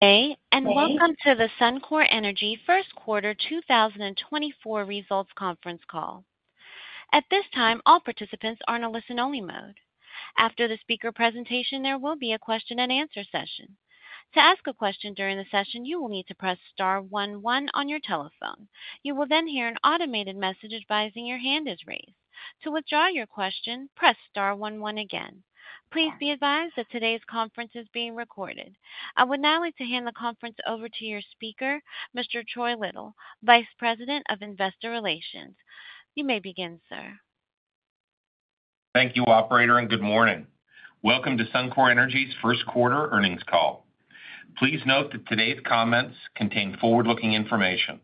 Hey, and welcome to the Suncor Energy Q1 2024 Results Conference Call. At this time, all participants are in a listen-only mode. After the speaker presentation, there will be a question-and-answer session. To ask a question during the session, you will need to press star one one on your telephone. You will then hear an automated message advising your hand is raised. To withdraw your question, press star one one again. Please be advised that today's conference is being recorded. I would now like to hand the conference over to your speaker, Mr. Troy Little, Vice President of Investor Relations. You may begin, sir. Thank you, operator, and good morning. Welcome to Suncor Energy's Q1 earnings call. Please note that today's comments contain forward-looking information.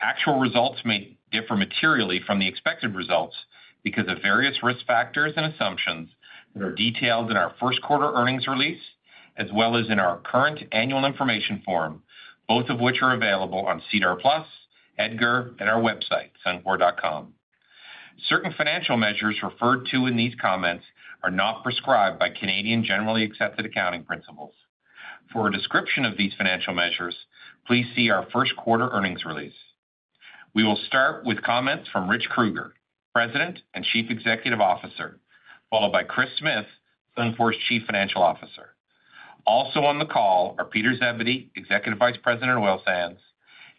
Actual results may differ materially from the expected results because of various risk factors and assumptions that are detailed in our Q1 earnings release, as well as in our current annual information form, both of which are available on SEDAR+, EDGAR, and our website, Suncor.com. Certain financial measures referred to in these comments are not prescribed by Canadian generally accepted accounting principles. For a description of these financial measures, please see our Q1 earnings release. We will start with comments from Rich Kruger, President and Chief Executive Officer, followed by Kris Smith, Suncor's Chief Financial Officer. Also on the call are Peter Zebedee, Executive Vice President of Oil Sands,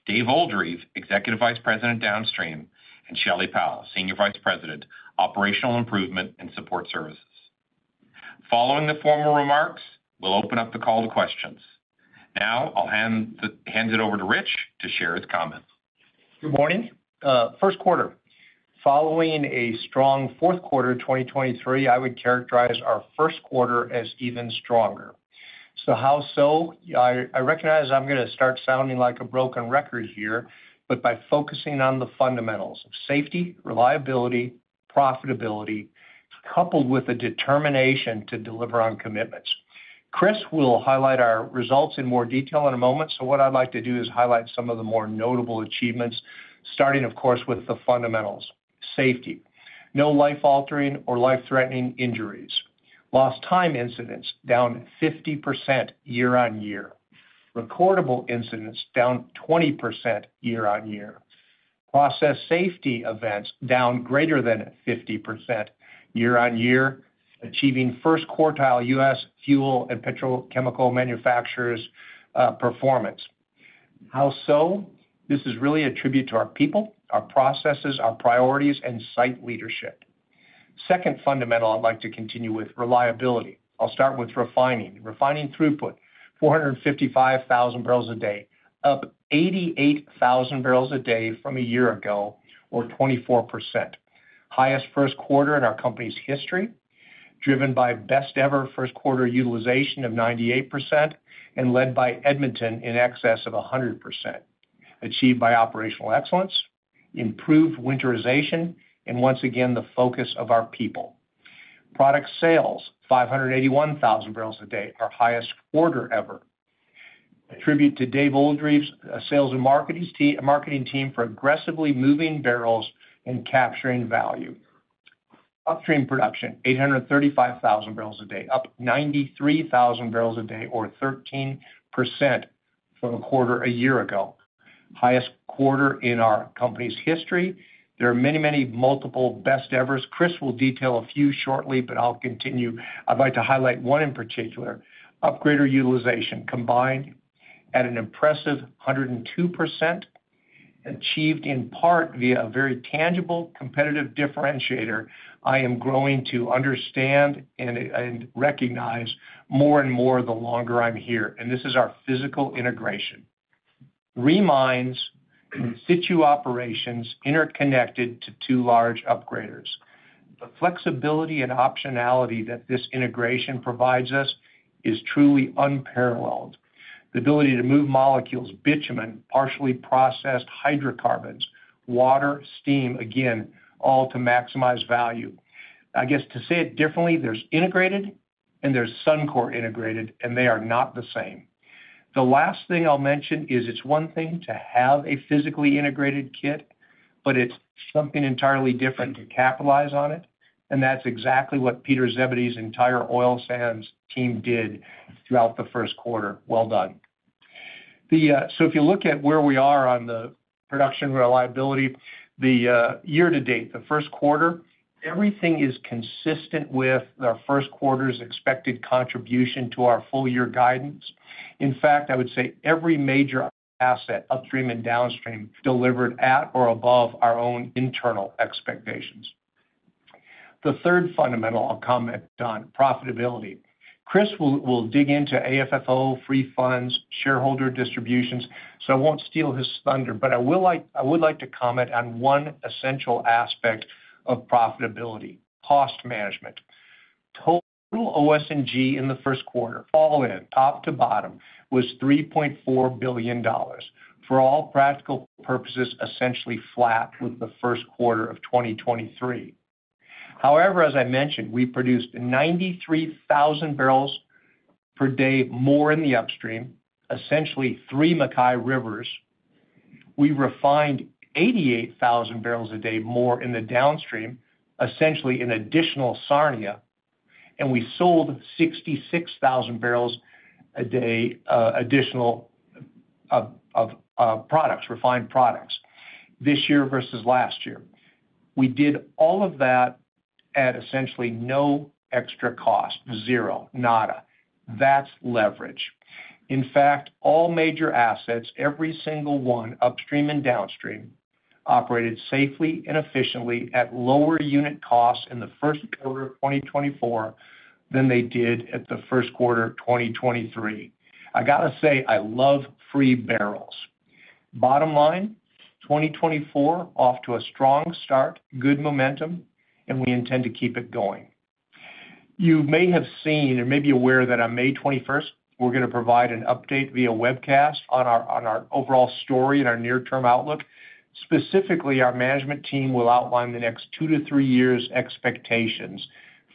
Dave Oldreive, Executive Vice President, Downstream, and Shelley Powell, Senior Vice President, Operational Improvement and Support Services. Following the formal remarks, we'll open up the call to questions. Now, I'll hand it over to Rich to share his comments. Good morning. Q1. Following a strong Q4, 2023, I would characterize our Q1 as even stronger. So how so? I, I recognize I'm gonna start sounding like a broken record here, but by focusing on the fundamentals: safety, reliability, profitability, coupled with a determination to deliver on commitments. Kris will highlight our results in more detail in a moment. So what I'd like to do is highlight some of the more notable achievements, starting, of course, with the fundamentals. Safety. No life-altering or life-threatening injuries. Lost time incidents, down 50% year-on-year. Recordable incidents, down 20% year-on-year. Process safety events, down greater than 50% year-on-year, achieving first-quartile U.S. fuel and petrochemical manufacturers performance. How so? This is really a tribute to our people, our processes, our priorities, and site leadership. Second fundamental I'd like to continue with, reliability. I'll start with refining. Refining throughput, 455,000 bbl a day, up 88,000 bbl a day from a year ago, or 24%. Highest Q1 in our company's history, driven by best ever Q1 utilization of 98% and led by Edmonton in excess of 100%, achieved by operational excellence, improved winterization, and once again, the focus of our people. Product sales, 581,000 bbl a day, our highest quarter ever. A tribute to Dave Oldreive's sales and marketing team for aggressively moving bbl and capturing value. Upstream production, 835,000 bbl a day, up 93,000 bbl a day, or 13% from a quarter a year ago. Highest quarter in our company's history. There are many, many multiple best-ever's. Kris will detail a few shortly, but I'll continue. I'd like to highlight one in particular. Upgrader utilization, combined at an impressive 102%, achieved in part via a very tangible competitive differentiator I am growing to understand and recognize more and more the longer I'm here, and this is our physical integration. In situ operations interconnected to two large upgraders. The flexibility and optionality that this integration provides us is truly unparalleled. The ability to move molecules, bitumen, partially processed hydrocarbons, water, steam, again, all to maximize value. I guess, to say it differently, there's integrated and there's Suncor integrated, and they are not the same. The last thing I'll mention is it's one thing to have a physically integrated kit, but it's something entirely different to capitalize on it, and that's exactly what Peter Zebedee's entire oil sands team did throughout the Q1. Well done. So if you look at where we are on the production reliability, the year to date, the Q1, everything is consistent with our Q1's expected contribution to our full-year guidance. In fact, I would say every major asset, upstream and downstream, delivered at or above our own internal expectations. The third fundamental I'll comment on, profitability. Kris will dig into AFFO, free funds, shareholder distributions, so I won't steal his thunder, but I would like to comment on one essential aspect of profitability: cost management. Total OS&G in the Q1, all in, top to bottom, was 3.4 billion dollars. For all practical purposes, essentially flat with the Q1 of 2023. However, as I mentioned, we produced 93,000 bbl per day more in the upstream, essentially three MacKay Rivers.... We refined 88,000 bbl a day more in the downstream, essentially an additional Sarnia, and we sold 66,000 bbl a day additional of products, refined products this year versus last year. We did all of that at essentially no extra cost. Zero, nada. That's leverage. In fact, all major assets, every single one, upstream and downstream, operated safely and efficiently at lower unit costs in the Q1 of 2024 than they did at the Q1 of 2023. I gotta say, I love free bbl. Bottom line, 2024, off to a strong start, good momentum, and we intend to keep it going. You may have seen or may be aware that on May 21, we're gonna provide an update via webcast on our, on our overall story and our near-term outlook. Specifically, our management team will outline the next 2-3 years' expectations,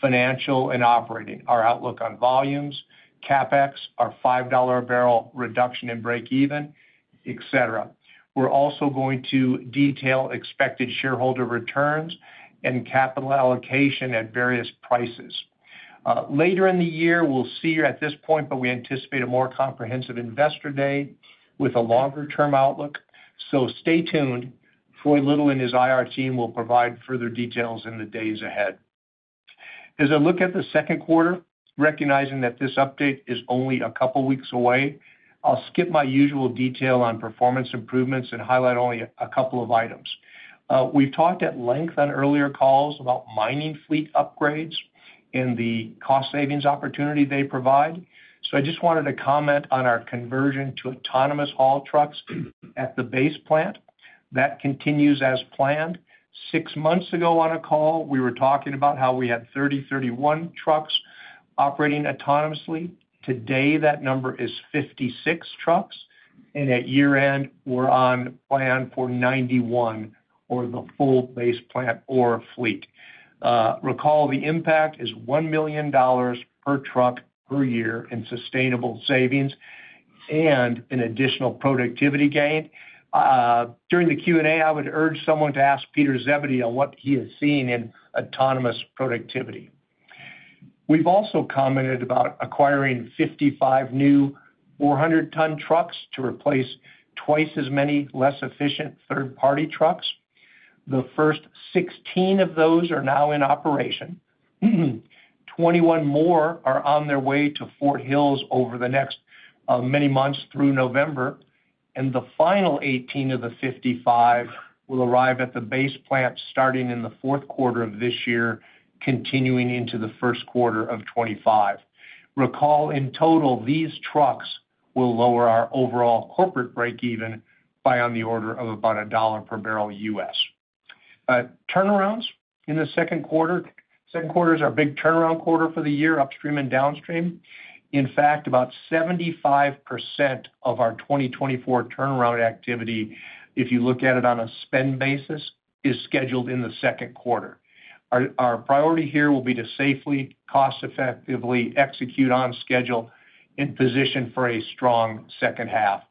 financial and operating, our outlook on volumes, CapEx, our 5 dollar a bbl reduction in breakeven, et cetera. We're also going to detail expected shareholder returns and capital allocation at various prices. Later in the year, we'll see you at this point, but we anticipate a more comprehensive Investor Day with a longer-term outlook. So stay tuned. Troy Little and his IR team will provide further details in the days ahead. As I look at the Q2, recognizing that this update is only a couple of weeks away, I'll skip my usual detail on performance improvements and highlight only a couple of items. We've talked at length on earlier calls about mining fleet upgrades and the cost savings opportunity they provide. I just wanted to comment on our conversion to autonomous haul trucks at the base plant. That continues as planned. Six months ago on a call, we were talking about how we had 30, 31 trucks operating autonomously. Today, that number is 56 trucks, and at year-end, we're on plan for 91 or the full base plant or fleet. Recall, the impact is 1 million dollars per truck per year in sustainable savings and an additional productivity gain. During the Q&A, I would urge someone to ask Peter Zebedee on what he has seen in autonomous productivity. We've also commented about acquiring 55 new 400-ton trucks to replace twice as many less efficient third-party trucks. The first 16 of those are now in operation. 21 more are on their way to Fort Hills over the next many months through November, and the final 18 of the 55 will arrive at the base plant starting in the Q4 of this year, continuing into the Q1 of 2025. Recall, in total, these trucks will lower our overall corporate breakeven by on the order of about CAD1 per bbl US. Turnarounds in the Q2. Q2 is our big turnaround quarter for the year, upstream and downstream. In fact, about 75% of our 2024 turnaround activity, if you look at it on a spend basis, is scheduled in the Q2. Our, our priority here will be to safely, cost-effectively execute on schedule and position for a strong second half.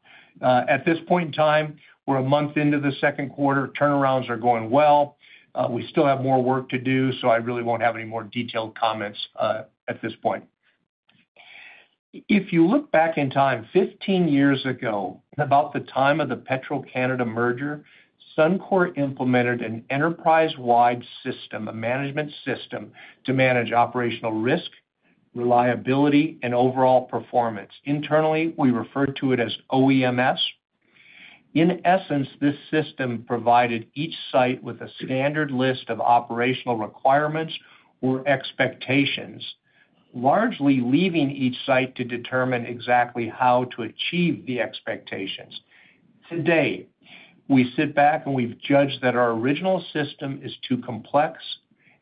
At this point in time, we're a month into the Q2. Turnarounds are going well. We still have more work to do, so I really won't have any more detailed comments at this point. If you look back in time, 15 years ago, about the time of the Petro-Canada merger, Suncor implemented an enterprise-wide system, a management system, to manage operational risk, reliability, and overall performance. Internally, we referred to it as OEMS. In essence, this system provided each site with a standard list of operational requirements or expectations, largely leaving each site to determine exactly how to achieve the expectations. Today, we sit back, and we've judged that our original system is too complex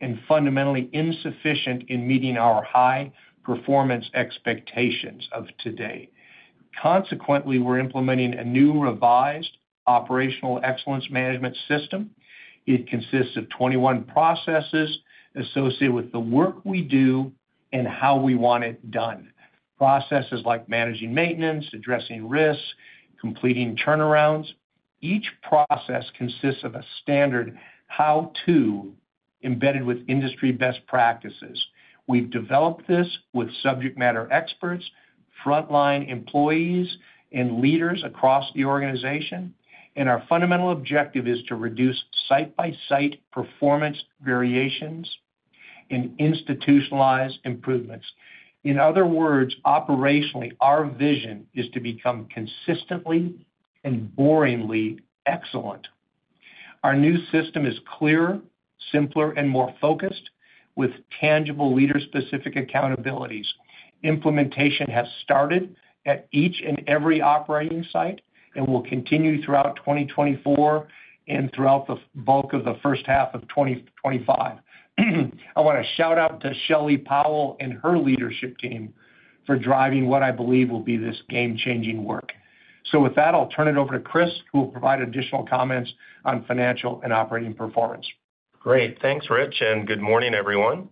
and fundamentally insufficient in meeting our high-performance expectations of today. Consequently, we're implementing a new revised operational excellence management system. It consists of 21 processes associated with the work we do and how we want it done. Processes like managing maintenance, addressing risks, completing turnarounds. Each process consists of a standard how-to embedded with industry best practices. We've developed this with subject matter experts, frontline employees, and leaders across the organization, and our fundamental objective is to reduce site-by-site performance variations and institutionalize improvements. In other words, operationally, our vision is to become consistently and boringly excellent. Our new system is clearer, simpler, and more focused, with tangible leader-specific accountabilities. Implementation has started at each and every operating site and will continue throughout 2024 and throughout the bulk of the first half of 2025. I wanna shout out to Shelley Powell and her leadership team for driving what I believe will be this game-changing work. With that, I'll turn it over to Kris, who will provide additional comments on financial and operating performance. Great. Thanks, Rich, and good morning, everyone....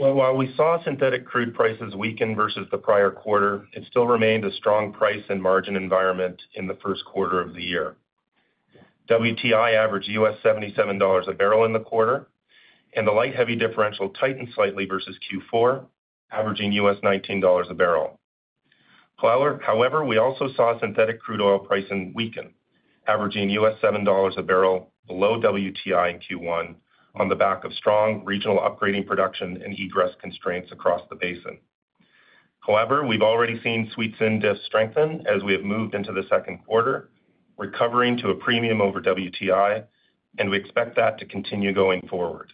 Well, while we saw synthetic crude prices weaken versus the prior quarter, it still remained a strong price and margin environment in the Q1 of the year. WTI averaged 77 dollars a bbl in the quarter, and the light heavy differential tightened slightly versus Q4, averaging 19 dollars a bbl. However, we also saw synthetic crude oil pricing weaken, averaging 7 dollars a bbl below WTI in Q1, on the back of strong regional upgrading production and egress constraints across the basin. However, we've already seen sweet synth strengthen as we have moved into the Q2, recovering to a premium over WTI, and we expect that to continue going forward.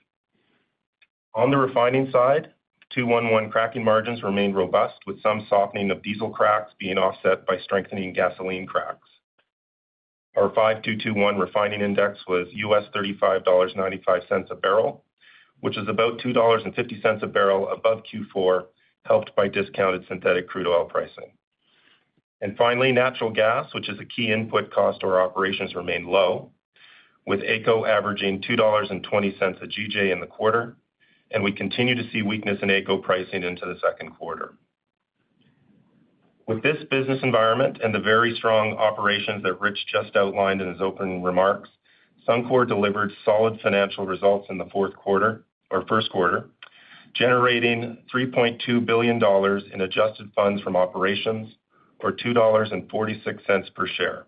On the refining side, 2-1-1 cracking margins remained robust, with some softening of diesel cracks being offset by strengthening gasoline cracks. Our 5-2-2-1 refining index was 35.95 dollars a bbl, which is about 2.50 dollars a bbl above Q4, helped by discounted synthetic crude oil pricing. Finally, natural gas, which is a key input cost to our operations, remained low, with AECO averaging 2.20 dollars a GJ in the quarter, and we continue to see weakness in AECO pricing into the Q2. With this business environment and the very strong operations that Rich just outlined in his opening remarks, Suncor delivered solid financial results in the Q4 or Q1, generating 3.2 billion dollars in adjusted funds from operations, or 2.46 dollars per share,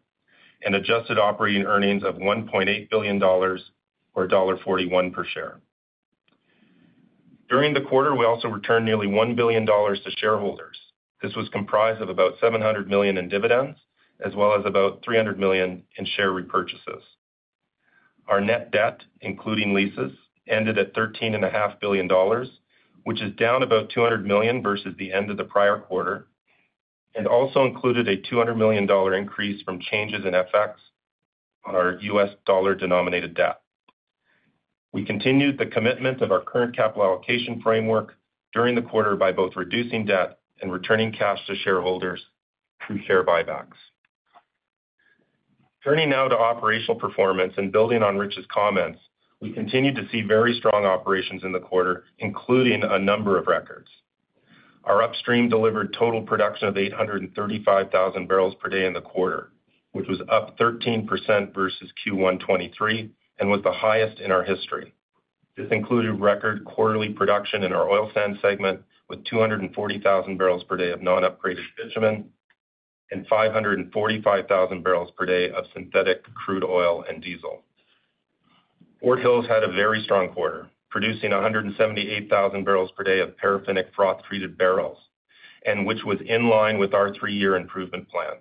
and adjusted operating earnings of 1.8 billion dollars, or dollar 1.41 per share. During the quarter, we also returned nearly 1 billion dollars to shareholders. This was comprised of about 700 million in dividends, as well as about 300 million in share repurchases. Our net debt, including leases, ended at 13.5 billion dollars, which is down about 200 million versus the end of the prior quarter, and also included a 200 million dollar increase from changes in FX on our US dollar-denominated debt. We continued the commitment of our current capital allocation framework during the quarter by both reducing debt and returning cash to shareholders through share buybacks. Turning now to operational performance and building on Rich's comments, we continued to see very strong operations in the quarter, including a number of records. Our upstream delivered total production of 835,000 bbl per day in the quarter, which was up 13% versus Q1 2023 and was the highest in our history. This included record quarterly production in our oil sands segment, with 240,000 bbl per day of non-upgraded bitumen and 545,000 bbl per day of synthetic crude oil and diesel. Fort Hills had a very strong quarter, producing 178,000 bbl per day of paraffinic froth-treated bbl, and which was in line with our 3-year improvement plan.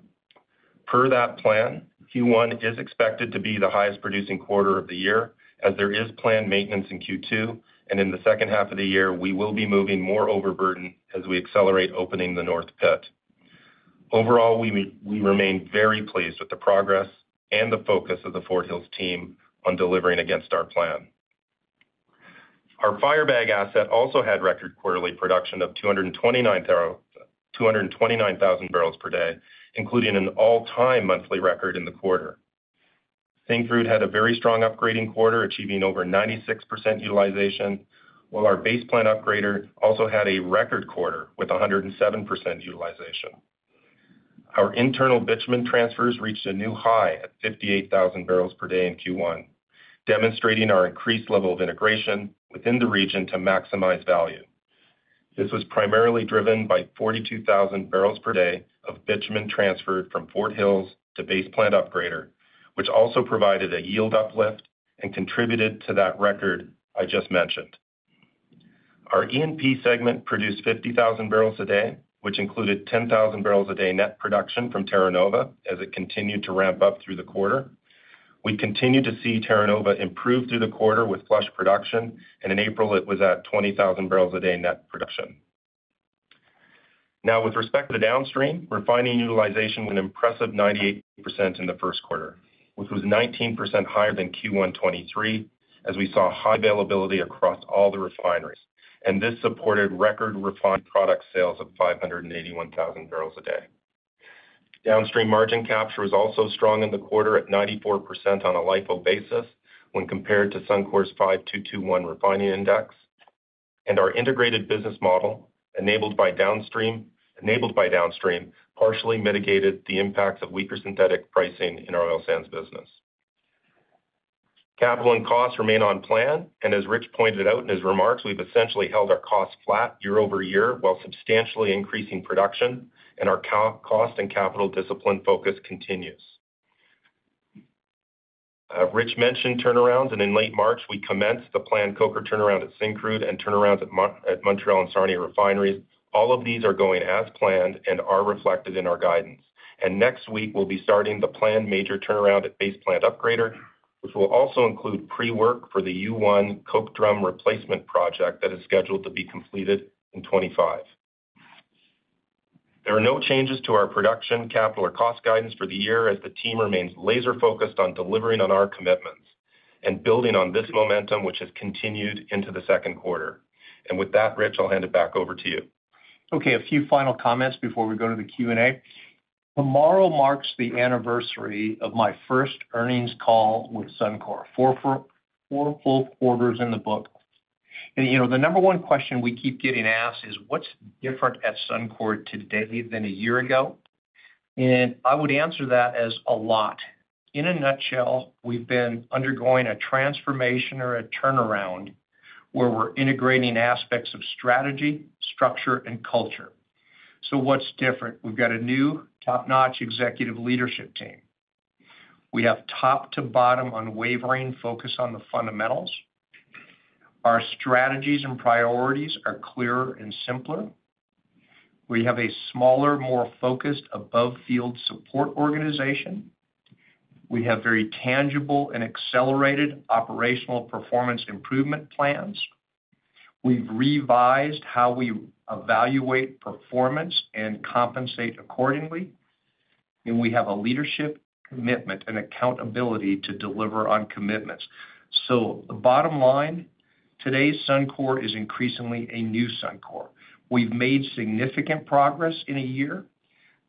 Per that plan, Q1 is expected to be the highest producing quarter of the year, as there is planned maintenance in Q2, and in the second half of the year, we will be moving more overburden as we accelerate opening the North Pit. Overall, we remain very pleased with the progress and the focus of the Fort Hills team on delivering against our plan. Our Firebag asset also had record quarterly production of 229,000 bbl per day, including an all-time monthly record in the quarter. Syncrude had a very strong upgrading quarter, achieving over 96% utilization, while our Base Plant Upgrader also had a record quarter with 107% utilization. Our internal bitumen transfers reached a new high at 58,000 bbl per day in Q1, demonstrating our increased level of integration within the region to maximize value. This was primarily driven by 42,000 bbl per day of bitumen transferred from Fort Hills to Base Plant Upgrader, which also provided a yield uplift and contributed to that record I just mentioned. Our E&P segment produced 50,000 bbl a day, which included 10,000 bbl a day net production from Terra Nova, as it continued to ramp up through the quarter. We continued to see Terra Nova improve through the quarter with flush production, and in April, it was at 20,000 bbl a day net production. Now, with respect to the downstream, refining utilization went an impressive 98% in the Q1, which was 19% higher than Q1 2023, as we saw high availability across all the refineries, and this supported record refined product sales of 581,000 bbl a day. Downstream margin capture was also strong in the quarter at 94% on a LIFO basis when compared to Suncor's 5-2-2-1 refining index, and our integrated business model, enabled by downstream, enabled by downstream, partially mitigated the impacts of weaker synthetic pricing in our oil sands business. Capital and costs remain on plan, and as Rich pointed out in his remarks, we've essentially held our costs flat year-over-year, while substantially increasing production, and our cost and capital discipline focus continues. Rich mentioned turnarounds, and in late March, we commenced the planned coker turnaround at Syncrude and turnarounds at Montreal and Sarnia refineries. All of these are going as planned and are reflected in our guidance. Next week, we'll be starting the planned major turnaround at Base Plant Upgrader, which will also include pre-work for the U1 coke drum replacement project that is scheduled to be completed in 2025. There are no changes to our production, capital or cost guidance for the year, as the team remains laser focused on delivering on our commitments and building on this momentum, which has continued into the Q2. With that, Rich, I'll hand it back over to you. ... Okay, a few final comments before we go to the Q&A. Tomorrow marks the anniversary of my first earnings call with Suncor, 4 full quarters in the book. You know, the number one question we keep getting asked is: What's different at Suncor today than a year ago? I would answer that as a lot. In a nutshell, we've been undergoing a transformation or a turnaround where we're integrating aspects of strategy, structure, and culture. What's different? We've got a new top-notch executive leadership team. We have top-to-bottom unwavering focus on the fundamentals. Our strategies and priorities are clearer and simpler. We have a smaller, more focused above field support organization. We have very tangible and accelerated operational performance improvement plans. We've revised how we evaluate performance and compensate accordingly, and we have a leadership commitment and accountability to deliver on commitments. So the bottom line, today's Suncor is increasingly a new Suncor. We've made significant progress in a year,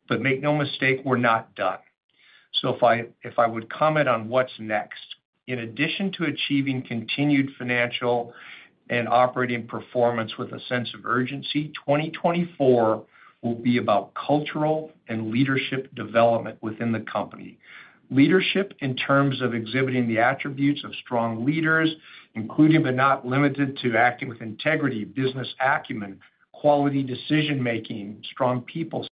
but make no mistake, we're not done. So if I would comment on what's next. In addition to achieving continued financial and operating performance with a sense of urgency, 2024 will be about cultural and leadership development within the company. Leadership in terms of exhibiting the attributes of strong leaders, including but not limited to acting with integrity, business acumen, quality decision-making, strong people,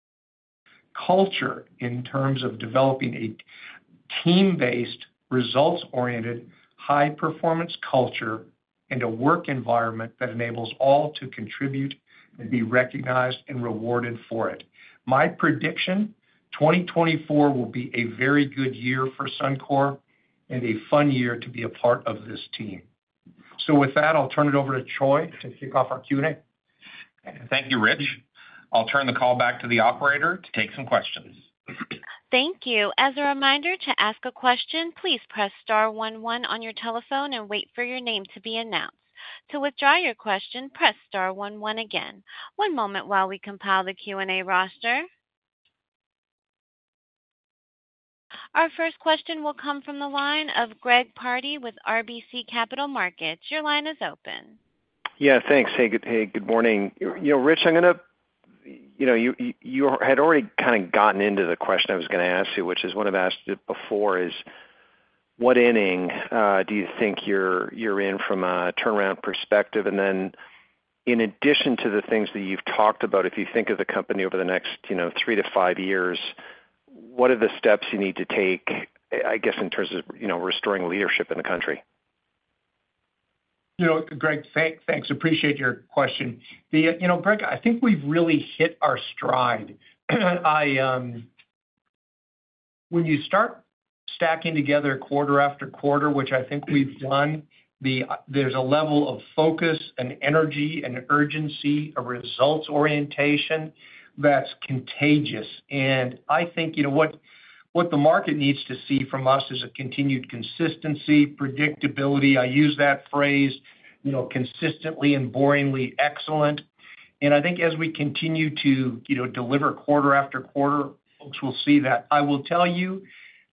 culture, in terms of developing a team-based, results-oriented, high-performance culture and a work environment that enables all to contribute and be recognized and rewarded for it. My prediction, 2024 will be a very good year for Suncor and a fun year to be a part of this team. So with that, I'll turn it over to Troy to kick off our Q&A. Thank you, Rich. I'll turn the call back to the operator to take some questions. Thank you. As a reminder to ask a question, please press star one one on your telephone and wait for your name to be announced. To withdraw your question, press star one one again. One moment while we compile the Q&A roster. Our first question will come from the line of Greg Pardy with RBC Capital Markets. Your line is open. Yeah, thanks. Hey, good morning. You know, Rich, I'm gonna... You know, you had already kinda gotten into the question I was gonna ask you, which is one I've asked you before, is what inning do you think you're in from a turnaround perspective? And then in addition to the things that you've talked about, if you think of the company over the next, you know, three to five years, what are the steps you need to take, I guess, in terms of, you know, restoring leadership in the country? You know, Greg, thanks. Appreciate your question. You know, Greg, I think we've really hit our stride. When you start stacking together quarter after quarter, which I think we've done, there's a level of focus and energy and urgency, a results orientation that's contagious. And I think, you know, what the market needs to see from us is a continued consistency, predictability. I use that phrase, you know, consistently and boringly excellent. And I think as we continue to, you know, deliver quarter after quarter, folks will see that. I will tell you,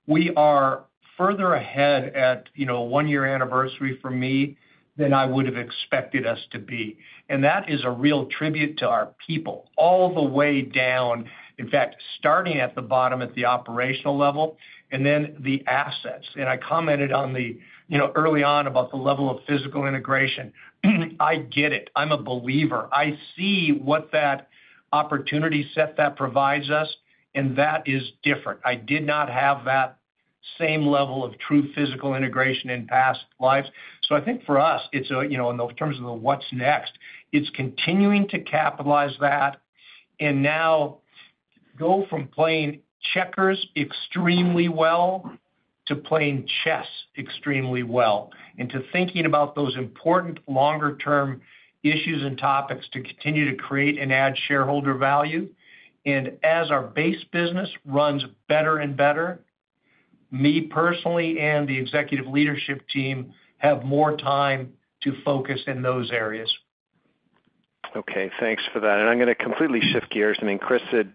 we are further ahead at, you know, 1-year anniversary from me than I would have expected us to be, and that is a real tribute to our people all the way down. In fact, starting at the bottom, at the operational level and then the assets, and I commented on the, you know, early on about the level of physical integration. I get it. I'm a believer. I see what that opportunity set that provides us, and that is different. I did not have that same level of true physical integration in past lives. So I think for us, it's, you know, in the terms of the what's next, it's continuing to capitalize that and now go from playing checkers extremely well to playing chess extremely well, and to thinking about those important longer-term issues and topics to continue to create and add shareholder value. And as our base business runs better and better, me personally and the executive leadership team have more time to focus in those areas. Okay, thanks for that. I'm gonna completely shift gears. I mean, Kris had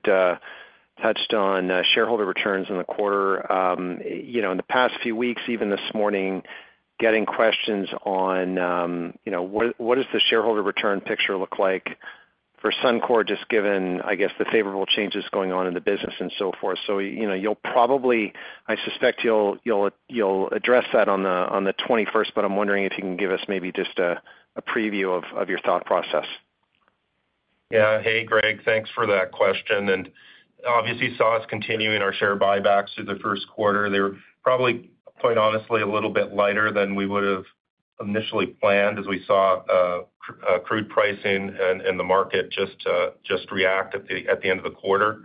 touched on shareholder returns in the quarter. You know, in the past few weeks, even this morning, getting questions on, you know, what is the shareholder return picture look like for Suncor, just given, I guess, the favorable changes going on in the business and so forth. So, you know, you'll probably, I suspect you'll address that on the twenty-first, but I'm wondering if you can give us maybe just a preview of your thought process. Yeah. Hey, Greg, thanks for that question. And obviously, you saw us continuing our share buybacks through the Q1. They were probably, quite honestly, a little bit lighter than we would've initially planned, as we saw, crude pricing and, and the market just react at the end of the quarter.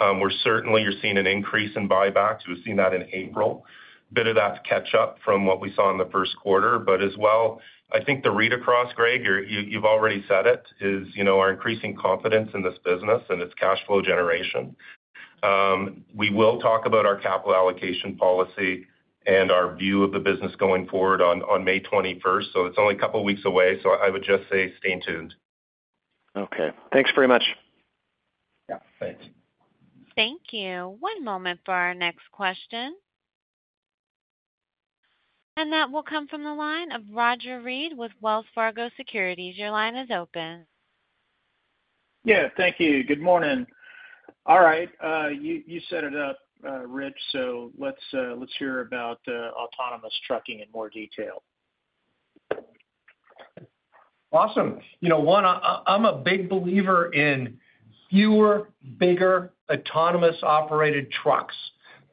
We're certainly seeing an increase in buybacks. We've seen that in April. A bit of that catch up from what we saw in the Q1, but as well, I think the read across, Greg, you've already said it, is, you know, our increasing confidence in this business and its cash flow generation.... We will talk about our capital allocation policy and our view of the business going forward on May twenty-first. So it's only a couple of weeks away, so I would just say stay tuned. Okay. Thanks very much. Yeah, thanks. Thank you. One moment for our next question. That will come from the line of Roger Read with Wells Fargo Securities. Your line is open. Yeah, thank you. Good morning. All right, you set it up, Rich, so let's hear about autonomous trucking in more detail. Awesome. You know, I, I'm a big believer in fewer, bigger, autonomous operated trucks.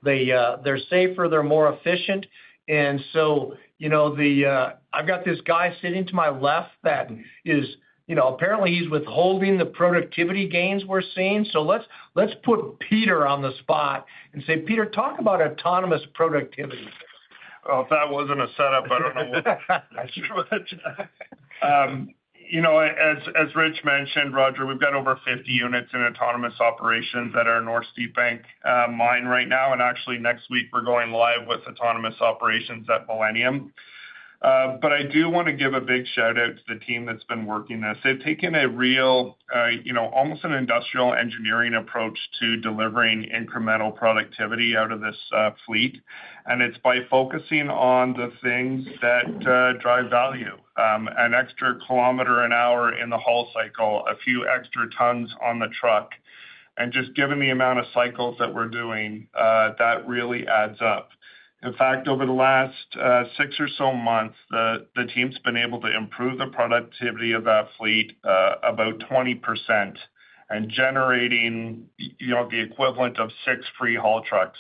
They, they're safer, they're more efficient, and so, you know, the, I've got this guy sitting to my left that is, you know, apparently he's withholding the productivity gains we're seeing. So let's put Peter on the spot and say, Peter, talk about autonomous productivity. Well, if that wasn't a setup, I don't know what was. You know, as, as Rich mentioned, Roger, we've got over 50 units in autonomous operations at our North Steepbank mine right now, and actually, next week, we're going live with autonomous operations at Millennium. But I do want to give a big shout-out to the team that's been working this. They've taken a real, you know, almost an industrial engineering approach to delivering incremental productivity out of this, fleet, and it's by focusing on the things that, drive value. An extra kilometer an hour in the haul cycle, a few extra tons on the truck, and just given the amount of cycles that we're doing, that really adds up. In fact, over the last 6 or so months, the team's been able to improve the productivity of that fleet about 20% and generating, you know, the equivalent of 6 free haul trucks.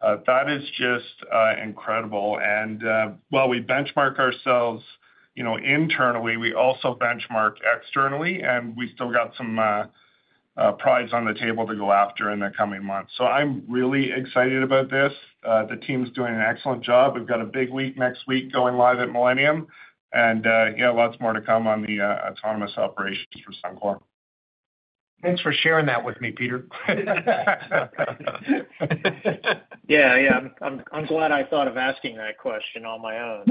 That is just incredible. And while we benchmark ourselves, you know, internally, we also benchmark externally, and we've still got some prizes on the table to go after in the coming months. So I'm really excited about this. The team's doing an excellent job. We've got a big week next week going live at Millennium, and yeah, lots more to come on the autonomous operations for Suncor. Thanks for sharing that with me, Peter. Yeah, yeah. I'm, I'm glad I thought of asking that question on my own.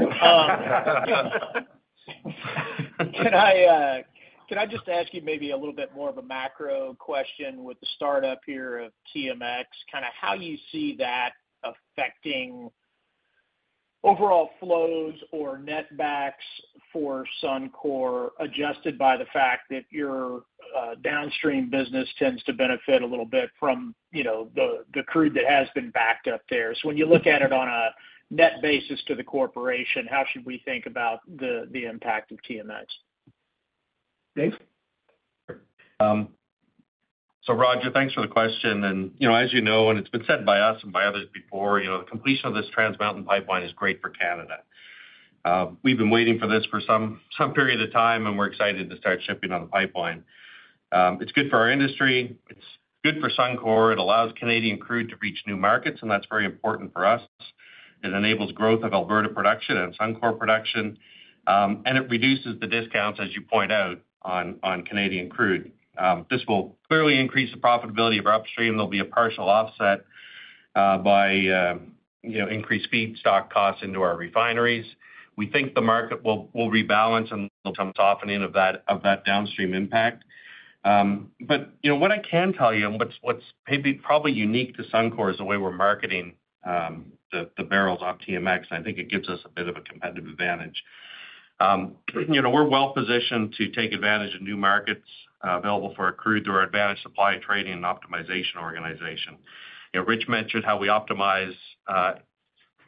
Can I, can I just ask you maybe a little bit more of a macro question with the startup here of TMX, kind of how you see that affecting overall flows or net backs for Suncor, adjusted by the fact that your downstream business tends to benefit a little bit from, you know, the crude that has been backed up there. So when you look at it on a net basis to the corporation, how should we think about the impact of TMX? Dave? So Roger, thanks for the question. You know, as you know, and it's been said by us and by others before, you know, the completion of this Trans Mountain pipeline is great for Canada. We've been waiting for this for some period of time, and we're excited to start shipping on the pipeline. It's good for our industry. It's good for Suncor. It allows Canadian crude to reach new markets, and that's very important for us. It enables growth of Alberta production and Suncor production, and it reduces the discounts, as you point out, on Canadian crude. This will clearly increase the profitability of our upstream. There'll be a partial offset by, you know, increased feedstock costs into our refineries. We think the market will rebalance and there'll be some softening of that downstream impact. But you know, what I can tell you and what's maybe probably unique to Suncor is the way we're marketing the bbl on TMX, and I think it gives us a bit of a competitive advantage. You know, we're well-positioned to take advantage of new markets available for our crude through our advanced supply trading and optimization organization. You know, Rich mentioned how we optimize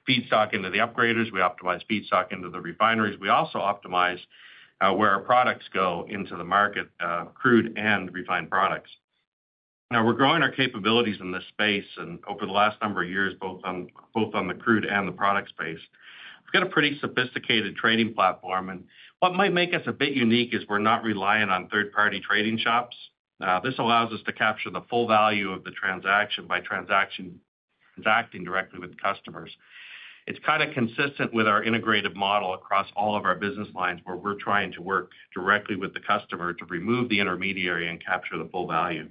feedstock into the upgraders, we optimize feedstock into the refineries. We also optimize where our products go into the market, crude and refined products. Now, we're growing our capabilities in this space, and over the last number of years, both on the crude and the product space. We've got a pretty sophisticated trading platform, and what might make us a bit unique is we're not reliant on third-party trading shops. This allows us to capture the full value of the transaction by transacting directly with customers. It's kind of consistent with our integrated model across all of our business lines, where we're trying to work directly with the customer to remove the intermediary and capture the full value.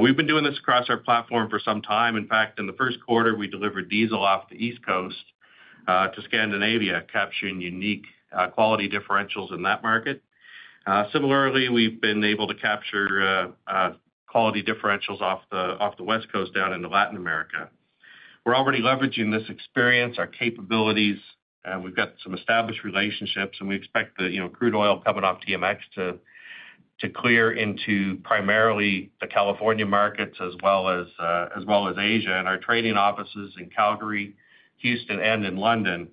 We've been doing this across our platform for some time. In fact, in the Q1, we delivered diesel off the East Coast to Scandinavia, capturing unique quality differentials in that market. Similarly, we've been able to capture quality differentials off the West Coast down into Latin America. We're already leveraging this experience, our capabilities. We've got some established relationships, and we expect the, you know, crude oil coming off TMX to clear into primarily the California markets as well as Asia. And our trading offices in Calgary, Houston, and in London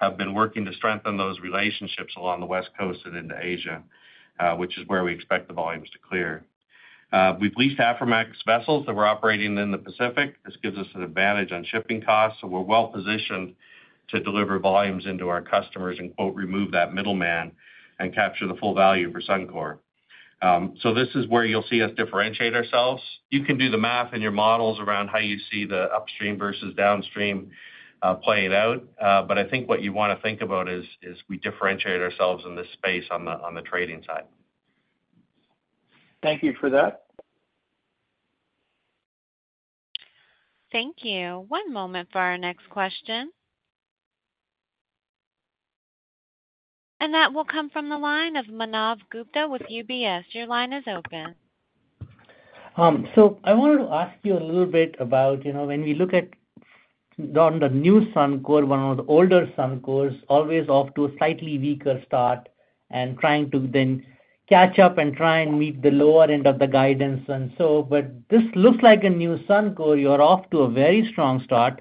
have been working to strengthen those relationships along the West Coast and into Asia, which is where we expect the volumes to clear. We've leased Aframax vessels that we're operating in the Pacific. This gives us an advantage on shipping costs, so we're well-positioned to deliver volumes into our customers and, quote, remove that middleman and capture the full value for Suncor. So this is where you'll see us differentiate ourselves. You can do the math in your models around how you see the upstream versus downstream playing out. But I think what you want to think about is we differentiate ourselves in this space on the trading side.... Thank you for that. Thank you. One moment for our next question. That will come from the line of Manav Gupta with UBS. Your line is open. So, I wanted to ask you a little bit about, you know, when we look at on the new Suncor, one of the older Suncors, always off to a slightly weaker start and trying to then catch up and try and meet the lower end of the guidance. And so, but this looks like a new Suncor. You're off to a very strong start,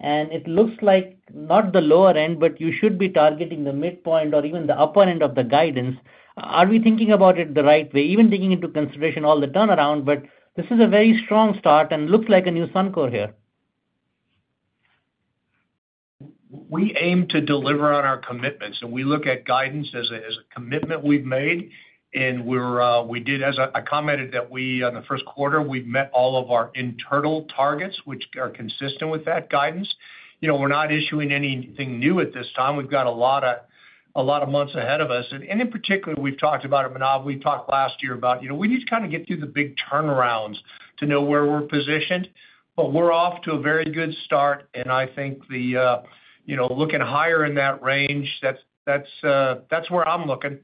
and it looks like not the lower end, but you should be targeting the midpoint or even the upper end of the guidance. Are we thinking about it the right way? Even taking into consideration all the turnaround, but this is a very strong start and looks like a new Suncor here. We aim to deliver on our commitments, and we look at guidance as a commitment we've made, and we're as I commented that we on the Q1 we've met all of our internal targets, which are consistent with that guidance. You know, we're not issuing anything new at this time. We've got a lot of, a lot of months ahead of us. And in particular, we've talked about it, Manav, we talked last year about, you know, we need to kind of get through the big turnarounds to know where we're positioned. But we're off to a very good start, and I think, you know, looking higher in that range, that's where I'm looking.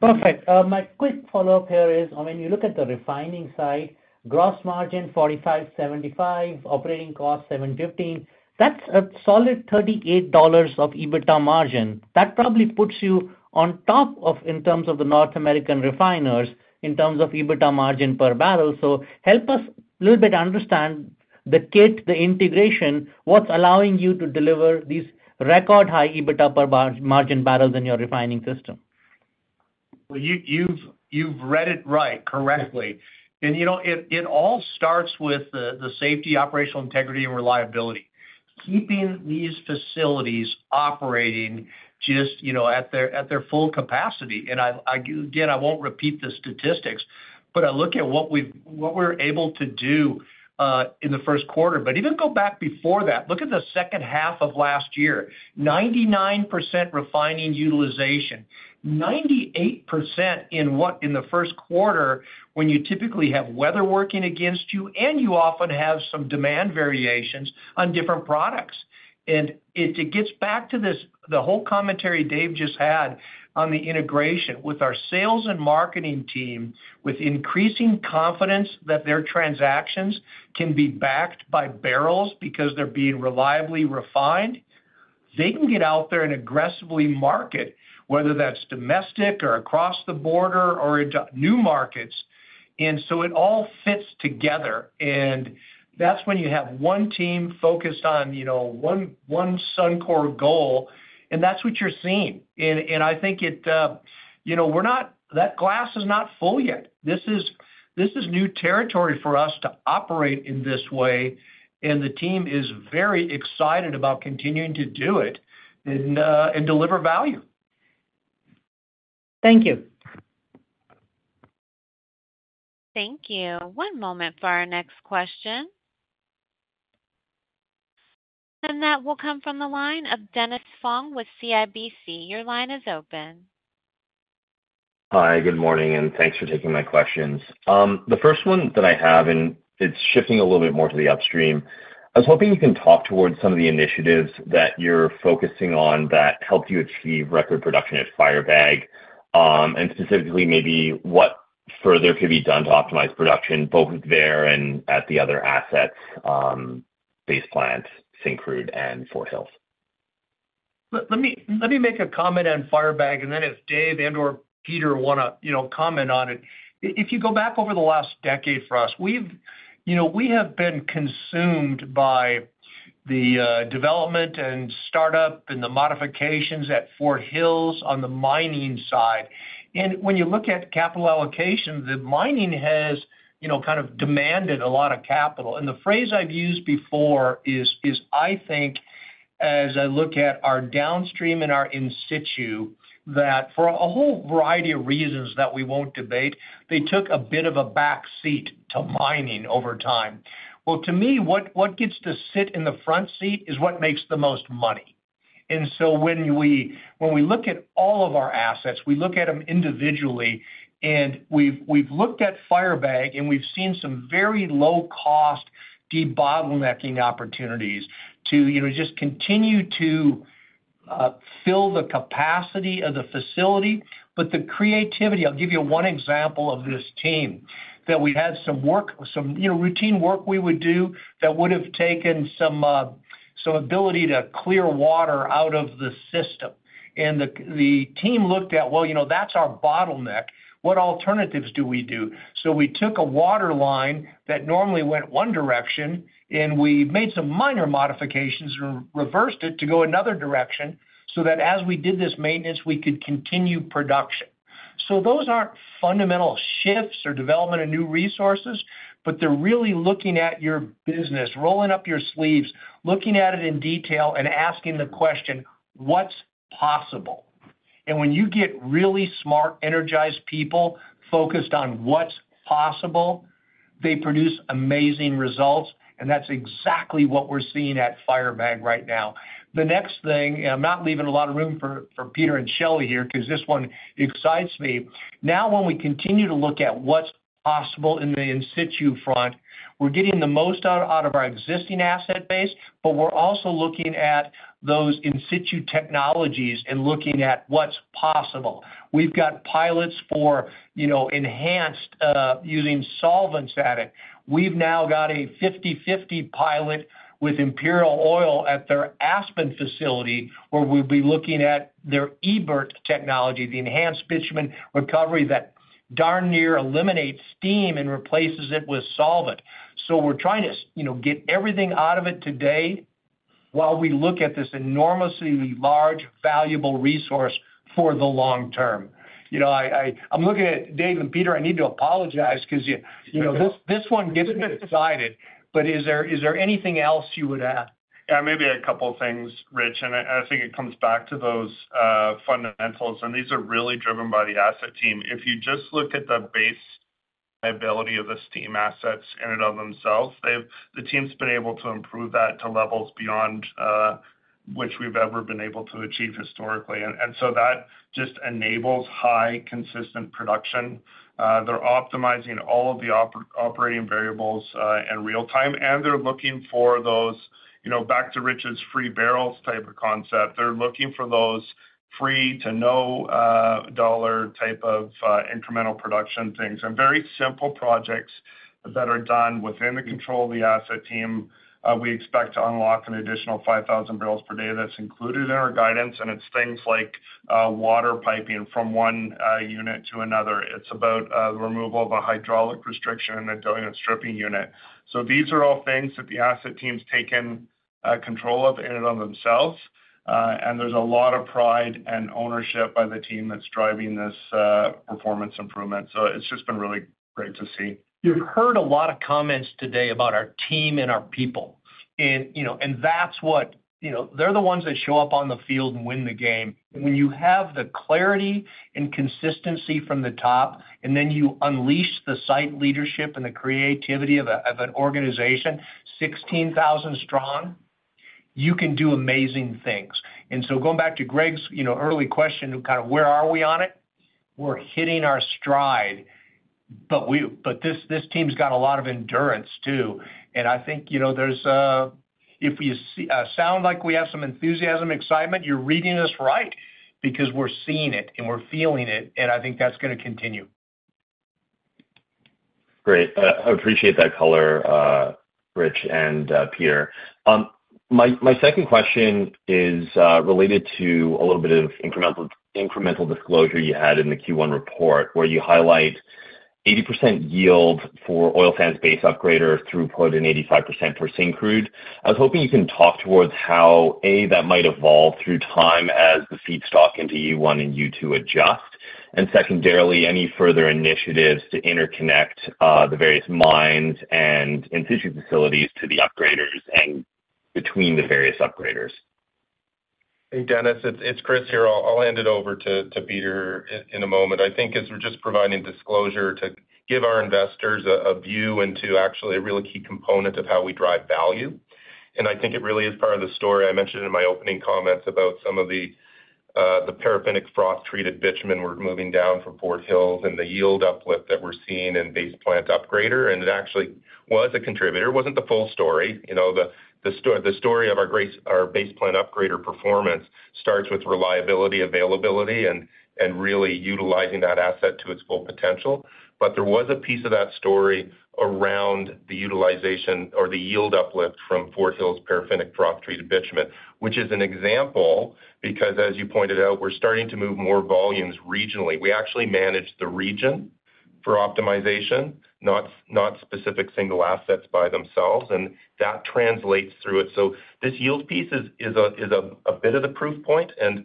Perfect. My quick follow-up here is, I mean, you look at the refining side, gross margin 45.75, operating cost 7.15. That's a solid 38 dollars of EBITDA margin. That probably puts you on top of, in terms of the North American refiners, in terms of EBITDA margin per bbl. So help us a little bit understand the kit, the integration, what's allowing you to deliver these record high EBITDA per bbl margin in your refining system? Well, you've, you've read it right, correctly. And, you know, it, it all starts with the, the safety, operational integrity, and reliability. Keeping these facilities operating just, you know, at their, at their full capacity, and I, I, again, I won't repeat the statistics, but I look at what we've—what we're able to do in the Q1. But even go back before that, look at the second half of last year, 99% refining utilization. 98% in what? In the Q1, when you typically have weather working against you, and you often have some demand variations on different products. And it, it gets back to this, the whole commentary Dave just had on the integration with our sales and marketing team, with increasing confidence that their transactions can be backed by bbl because they're being reliably refined. They can get out there and aggressively market, whether that's domestic or across the border or into new markets. And so it all fits together, and that's when you have one team focused on, you know, one, one Suncor goal, and that's what you're seeing. And, and I think it, you know, we're not, that glass is not full yet. This is, this is new territory for us to operate in this way, and the team is very excited about continuing to do it and, and deliver value. Thank you. Thank you. One moment for our next question. That will come from the line of Dennis Fong with CIBC. Your line is open. Hi, good morning, and thanks for taking my questions. The first one that I have, and it's shifting a little bit more to the upstream. I was hoping you can talk towards some of the initiatives that you're focusing on that helped you achieve record production at Firebag, and specifically, maybe what further could be done to optimize production, both there and at the other assets, base plants, Syncrude and Fort Hills? Let me make a comment on Firebag, and then if Dave and/or Peter wanna, you know, comment on it. If you go back over the last decade for us, we've, you know, we have been consumed by the development and startup and the modifications at Fort Hills on the mining side. And when you look at capital allocation, the mining has, you know, kind of demanded a lot of capital. And the phrase I've used before is I think, as I look at our downstream and our in-situ, that for a whole variety of reasons that we won't debate, they took a bit of a back seat to mining over time. Well, to me, what gets to sit in the front seat is what makes the most money. And so when we look at all of our assets, we look at them individually, and we've looked at Firebag, and we've seen some very low-cost debottlenecking opportunities to, you know, just continue to fill the capacity of the facility. But the creativity, I'll give you one example of this team, that we had some work, you know, routine work we would do that would have taken some ability to clear water out of the system. And the team looked at, well, you know, that's our bottleneck. What alternatives do we do? So we took a water line that normally went one direction, and we made some minor modifications and reversed it to go another direction, so that as we did this maintenance, we could continue production. So those aren't fundamental shifts or development of new resources, but they're really looking at your business, rolling up your sleeves, looking at it in detail, and asking the question, "What's possible?" And when you get really smart, energized people focused on what's possible, they produce amazing results, and that's exactly what we're seeing at Firebag right now. The next thing, I'm not leaving a lot of room for Peter and Shelley here, 'cause this one excites me. Now, when we continue to look at what's possible in the in situ front, we're getting the most out of our existing asset base, but we're also looking at those in situ technologies and looking at what's possible. We've got pilots for, you know, enhanced using solvents at it. We've now got a 50/50 pilot with Imperial Oil at their Aspen facility, where we'll be looking at their EBR technology, the enhanced bitumen recovery, that darn near eliminates steam and replaces it with solvent. So we're trying to, you know, get everything out of it today while we look at this enormously large, valuable resource for the long term. You know, I'm looking at Dave and Peter, I need to apologize 'cause, you, you know, this, this one gets me excited. But is there, is there anything else you would add? Yeah, maybe a couple of things, Rich, and I think it comes back to those fundamentals, and these are really driven by the asset team. If you just look at the base ability of the steam assets in and of themselves, they've, the team's been able to improve that to levels beyond which we've ever been able to achieve historically. And so that just enables high, consistent production. They're optimizing all of the operating variables in real time, and they're looking for those, you know, back to Rich's free bbl type of concept. They're looking for those free to no dollar type of incremental production things. And very simple projects that are done within the control of the asset team. We expect to unlock an additional 5,000 bbl per day. That's included in our guidance, and it's things like water piping from one unit to another. It's about the removal of a hydraulic restriction in a diluent stripping unit. So these are all things that the asset team's taken control of in and of themselves, and there's a lot of pride and ownership by the team that's driving this performance improvement. So it's just been really great to see. You've heard a lot of comments today about our team and our people, and, you know, and that's what—you know, they're the ones that show up on the field and win the game. When you have the clarity and consistency from the top, and then you unleash the site leadership and the creativity of an organization, 16,000 strong, you can do amazing things. And so going back to Greg's, you know, early question, of kind of where are we on it? We're hitting our stride, but we—but this, this team's got a lot of endurance, too. And I think, you know, there's a—if you see—sound like we have some enthusiasm, excitement, you're reading us right, because we're seeing it, and we're feeling it, and I think that's gonna continue. Great. I appreciate that color, Rich and Peter. My second question is related to a little bit of incremental disclosure you had in the Q1 report, where you highlight 80% yield for oil sands base upgrader throughput, and 85% for Syncrude. I was hoping you can talk towards how, A, that might evolve through time as the feedstock into U1 and U2 adjust, and secondarily, any further initiatives to interconnect the various mines and in-situ facilities to the upgraders and between the various upgraders. Hey, Dennis, it's Kris here. I'll hand it over to Peter in a moment. I think as we're just providing disclosure to give our investors a view into actually a really key component of how we drive value, and I think it really is part of the story. I mentioned in my opening comments about some of the paraffinic froth-treated bitumen we're moving down from Fort Hills and the yield uplift that we're seeing in base plant upgrader, and it actually was a contributor. It wasn't the full story. You know, the story of our base plant upgrader performance starts with reliability, availability, and really utilizing that asset to its full potential. But there was a piece of that story around the utilization or the yield uplift from Fort Hills' paraffinic froth-treated bitumen, which is an example, because, as you pointed out, we're starting to move more volumes regionally. We actually manage the region for optimization, not specific single assets by themselves, and that translates through it. So this yield piece is a bit of the proof point. And,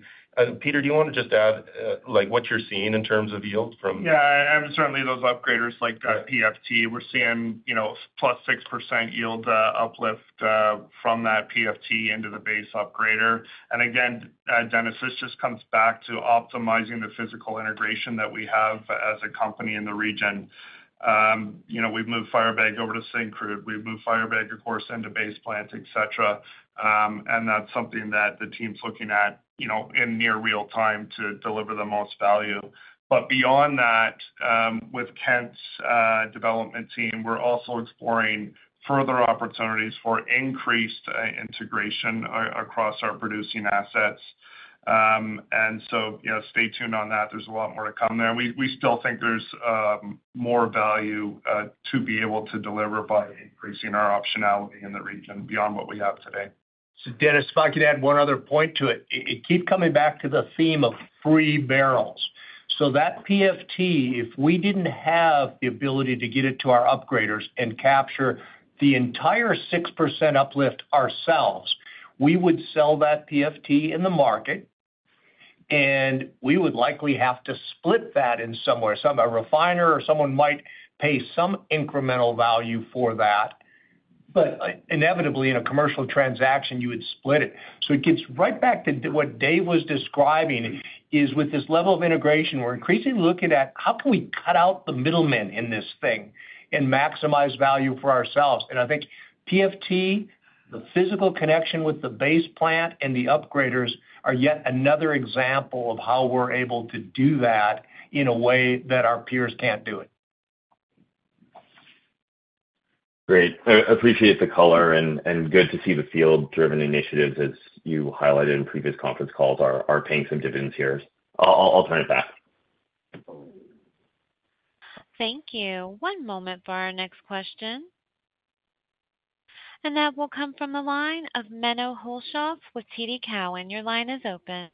Peter, do you want to just add, like, what you're seeing in terms of yields from- Yeah, and certainly those upgraders like PFT, we're seeing, you know, +6% yield uplift from that PFT into the base upgrader. And again, Dennis, this just comes back to optimizing the physical integration that we have as a company in the region. You know, we've moved Firebag over to Syncrude. We've moved Firebag, of course, into base plant, et cetera. And that's something that the team's looking at, you know, in near real time to deliver the most value. But beyond that, with Kent's development team, we're also exploring further opportunities for increased integration across our producing assets. And so, you know, stay tuned on that. There's a lot more to come there. We still think there's more value to be able to deliver by increasing our optionality in the region beyond what we have today. So Dennis, if I could add one other point to it. It keeps coming back to the theme of free bbl. So that PFT, if we didn't have the ability to get it to our upgraders and capture the entire 6% uplift ourselves, we would sell that PFT in the market, and we would likely have to split that in somewhere. A refiner or someone might pay some incremental value for that... but inevitably, in a commercial transaction, you would split it. So it gets right back to what Dave was describing: with this level of integration, we're increasingly looking at how can we cut out the middleman in this thing and maximize value for ourselves? I think PFT, the physical connection with the base plant and the upgraders are yet another example of how we're able to do that in a way that our peers can't do it. Great. I appreciate the color, and good to see the field-driven initiatives, as you highlighted in previous conference calls, are paying some dividends here. I'll turn it back. Thank you. One moment for our next question. That will come from the line of Menno Hulshof with TD Cowen. Your line is open.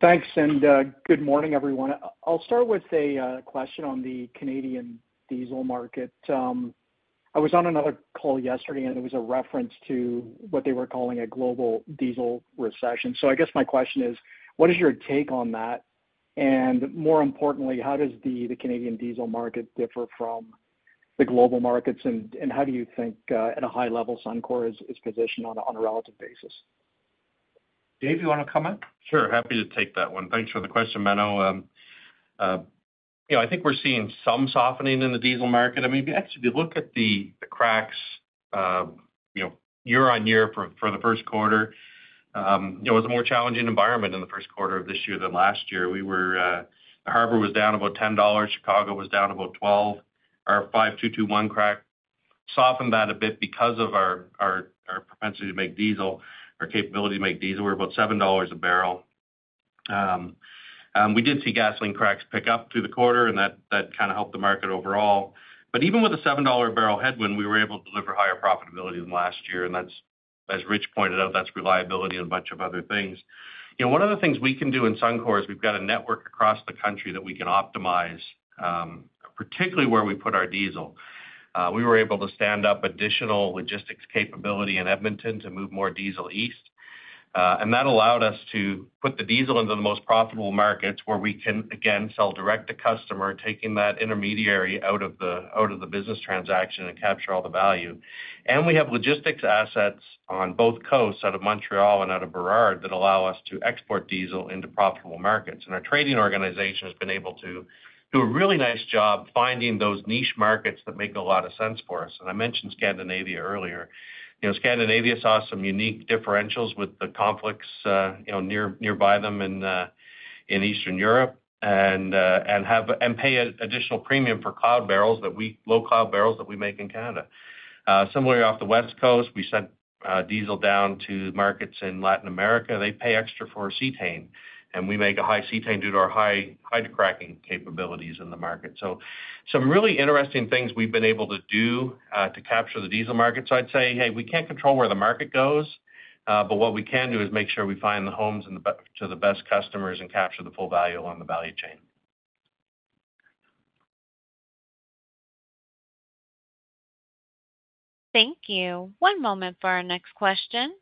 Thanks, and good morning, everyone. I'll start with a question on the Canadian diesel market. I was on another call yesterday, and there was a reference to what they were calling a global diesel recession. So I guess my question is: what is your take on that? And more importantly, how does the Canadian diesel market differ from the global markets, and how do you think, at a high level, Suncor is positioned on a relative basis? Dave, you want to comment? Sure, happy to take that one. Thanks for the question, Menno. You know, I think we're seeing some softening in the diesel market. I mean, actually, if you look at the cracks, you know, year-on-year for the Q1, it was a more challenging environment in the Q1 of this year than last year. We were Harbor was down about 10 dollars, Chicago was down about 12. Our 5-2-2-1 crack softened that a bit because of our propensity to make diesel, our capability to make diesel, we're about 7 dollars a bbl. We did see gasoline cracks pick up through the quarter, and that kinda helped the market overall. But even with a CAD 7-a-bbl headwind, we were able to deliver higher profitability than last year, and that's, as Rich pointed out, that's reliability and a bunch of other things. You know, one of the things we can do in Suncor is we've got a network across the country that we can optimize, particularly where we put our diesel. We were able to stand up additional logistics capability in Edmonton to move more diesel east, and that allowed us to put the diesel into the most profitable markets, where we can, again, sell direct to customer, taking that intermediary out of the, out of the business transaction and capture all the value. And we have logistics assets on both coasts, out of Montreal and out of Burrard, that allow us to export diesel into profitable markets. Our trading organization has been able to do a really nice job finding those niche markets that make a lot of sense for us. I mentioned Scandinavia earlier. You know, Scandinavia saw some unique differentials with the conflicts, you know, nearby them in Eastern Europe, and pay an additional premium for low-sulfur crude bbl that we make in Canada. Similarly, off the West Coast, we sent diesel down to markets in Latin America. They pay extra for cetane, and we make a high cetane due to our high hydrocracking capabilities in the market. Some really interesting things we've been able to do to capture the diesel market. I'd say, hey, we can't control where the market goes, but what we can do is make sure we find the homes and the best customers and capture the full value along the value chain. Thank you. One moment for our next question.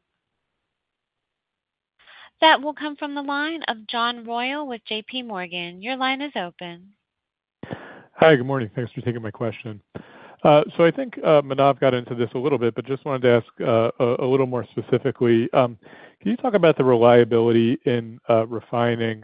That will come from the line of John Royall with JPMorgan. Your line is open. Hi, good morning. Thanks for taking my question. So I think, Manav got into this a little bit, but just wanted to ask a little more specifically, can you talk about the reliability in refining?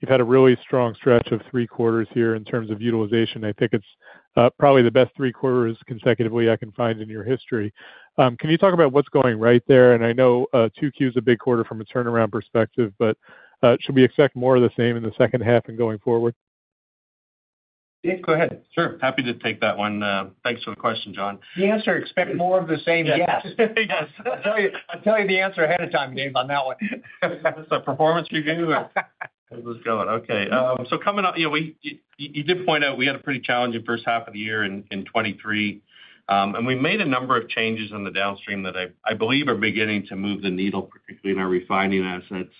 You've had a really strong stretch of three quarters here in terms of utilization. I think it's probably the best three quarters consecutively I can find in your history. Can you talk about what's going right there? And I know, 2Q is a big quarter from a turnaround perspective, but should we expect more of the same in the second half and going forward? Dave, go ahead. Sure, happy to take that one. Thanks for the question, John. The answer, expect more of the same, yes. Yes. I'll tell you, I'll tell you the answer ahead of time, Dave, on that one. Is this a performance review or... How's this going? Okay, so coming up, you know, you did point out we had a pretty challenging first half of the year in 2023. And we made a number of changes in the downstream that I believe are beginning to move the needle, particularly in our refining assets.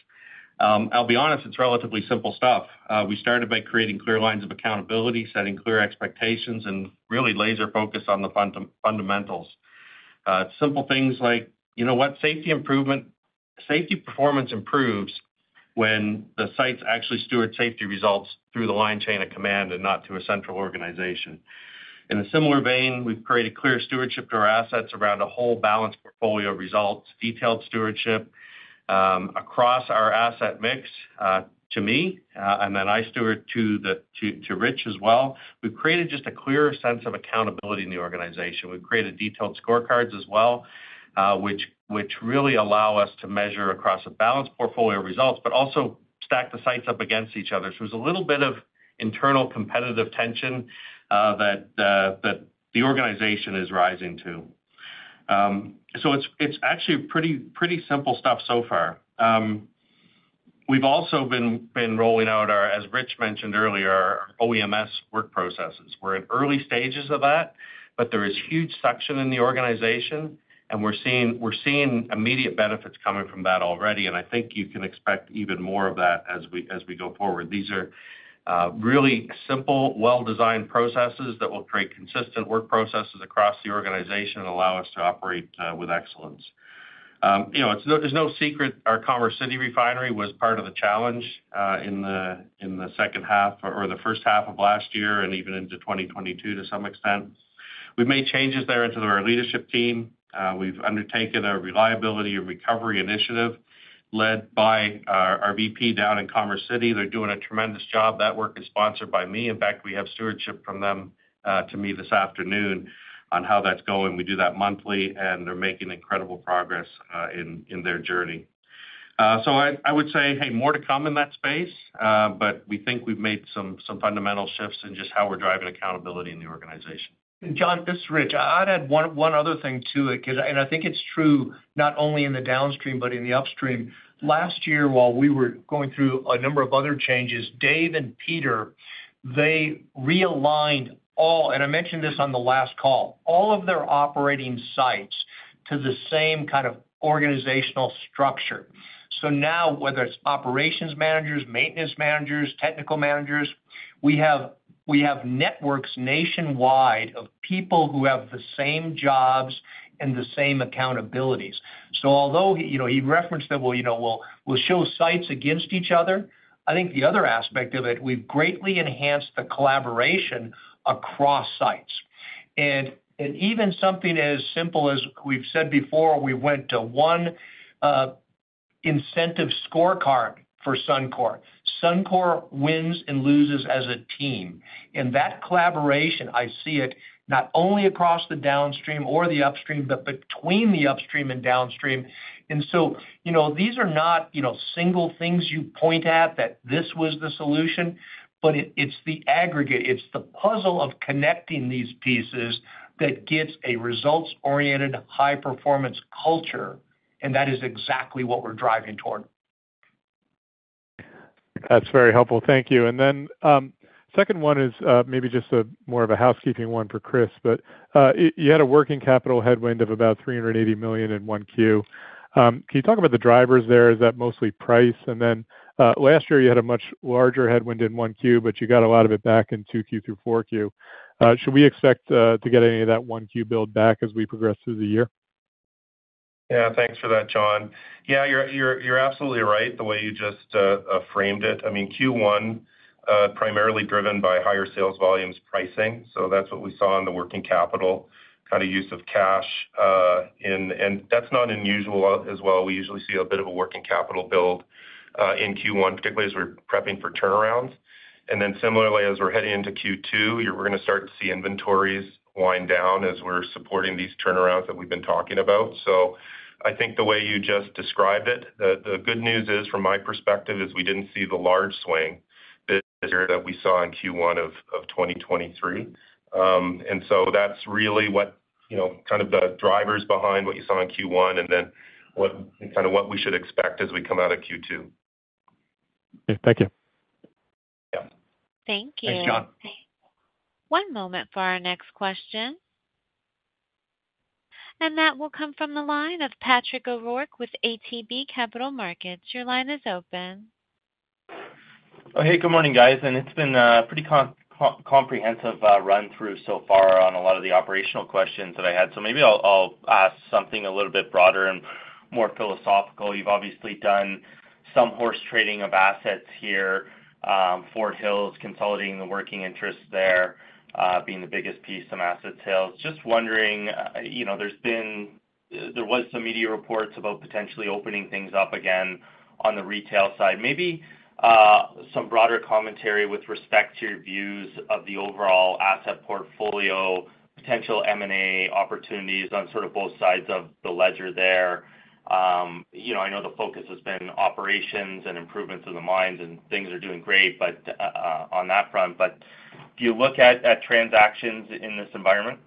I'll be honest, it's relatively simple stuff. We started by creating clear lines of accountability, setting clear expectations, and really laser focus on the fundamentals. Simple things like, you know what? Safety performance improves when the sites actually steward safety results through the line chain of command and not through a central organization. In a similar vein, we've created clear stewardship to our assets around a whole balanced portfolio of results, detailed stewardship, across our asset mix, to me, and then I steward to the, to Rich as well. We've created just a clearer sense of accountability in the organization. We've created detailed scorecards as well, which really allow us to measure across a balanced portfolio of results, but also stack the sites up against each other. So there's a little bit of internal competitive tension, that the organization is rising to. So it's actually pretty simple stuff so far. We've also been rolling out our, as Rich mentioned earlier, our OMS work processes. We're in early stages of that, but there is huge traction in the organization, and we're seeing, we're seeing immediate benefits coming from that already, and I think you can expect even more of that as we, as we go forward. These are really simple, well-designed processes that will create consistent work processes across the organization and allow us to operate with excellence.... you know, it's no secret our Commerce City refinery was part of the challenge, in the second half or the first half of last year and even into 2022 to some extent. We've made changes there in our leadership team. We've undertaken a reliability and recovery initiative led by our VP down in Commerce City. They're doing a tremendous job. That work is sponsored by me. In fact, we have stewardship from them to me this afternoon on how that's going. We do that monthly, and they're making incredible progress in their journey. So I would say, hey, more to come in that space, but we think we've made some fundamental shifts in just how we're driving accountability in the organization. And John, this is Rich. I'd add one other thing to it, 'cause, and I think it's true not only in the downstream, but in the upstream. Last year, while we were going through a number of other changes, Dave and Peter, they realigned all, and I mentioned this on the last call, all of their operating sites to the same kind of organizational structure. So now, whether it's operations managers, maintenance managers, technical managers, we have networks nationwide of people who have the same jobs and the same accountabilities. So although, you know, he referenced that, well, you know, we'll show sites against each other, I think the other aspect of it, we've greatly enhanced the collaboration across sites. And even something as simple as we've said before, we went to one incentive scorecard for Suncor. Suncor wins and loses as a team, and that collaboration, I see it not only across the downstream or the upstream, but between the upstream and downstream. And so, you know, these are not, you know, single things you point at, that this was the solution, but it, it's the aggregate. It's the puzzle of connecting these pieces that gets a results-oriented, high-performance culture, and that is exactly what we're driving toward. That's very helpful. Thank you. And then, second one is, maybe just a more of a housekeeping one for Kris. But, you had a working capital headwind of about 380 million in 1Q. Can you talk about the drivers there? Is that mostly price? And then, last year, you had a much larger headwind in 1Q, but you got a lot of it back in 2Q through 4Q. Should we expect, to get any of that 1Q build back as we progress through the year? Yeah, thanks for that, John. Yeah, you're absolutely right, the way you just framed it. I mean, Q1 primarily driven by higher sales volumes pricing, so that's what we saw in the working capital, kinda use of cash, and that's not unusual as well. We usually see a bit of a working capital build in Q1, particularly as we're prepping for turnarounds. And then similarly, as we're heading into Q2, we're gonna start to see inventories wind down as we're supporting these turnarounds that we've been talking about. So I think the way you just described it, the good news is, from my perspective, is we didn't see the large swing this year that we saw in Q1 of 2023. And so that's really what, you know, kind of the drivers behind what you saw in Q1, and then what and kinda what we should expect as we come out of Q2. Thank you. Yeah. Thank you. Thanks, John. One moment for our next question. That will come from the line of Patrick O'Rourke with ATB Capital Markets. Your line is open. Oh, hey, good morning, guys, and it's been a pretty comprehensive run-through so far on a lot of the operational questions that I had. So maybe I'll ask something a little bit broader and more philosophical. You've obviously done some horse trading of assets here, Fort Hills, consolidating the working interests there, being the biggest piece, some asset sales. Just wondering, you know, there was some media reports about potentially opening things up again on the retail side. Maybe some broader commentary with respect to your views of the overall asset portfolio, potential M&A opportunities on sort of both sides of the ledger there. You know, I know the focus has been operations and improvements in the mines, and things are doing great, but on that front, but do you look at transactions in this environment?